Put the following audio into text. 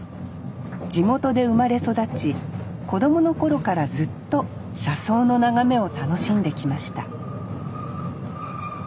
地元で生まれ育ち子供の頃からずっと車窓の眺めを楽しんできました